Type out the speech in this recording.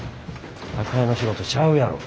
宅配の仕事ちゃうやろ。